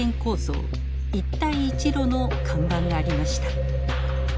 「一帯一路」の看板がありました。